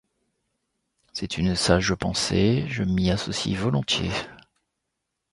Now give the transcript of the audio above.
C'est une sage pensée, je m'y associe volontiers.